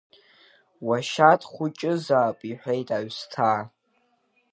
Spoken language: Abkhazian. Уашьа дхәыҷызаап, — иҳәеит аҩсҭаа.